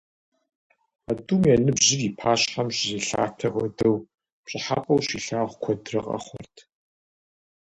А тӏум я ныбжьыр и пащхьэм щызелъатэ хуэдэу, пщӏыхьэпӏэу щилъагъу куэдрэ къэхъурт.